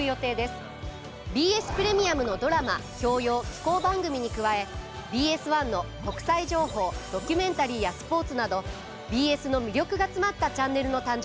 ＢＳプレミアムのドラマ教養紀行番組に加えＢＳ１の国際情報ドキュメンタリーやスポーツなどＢＳの魅力が詰まったチャンネルの誕生です。